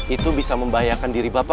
itu bisa membahayakan diri bapak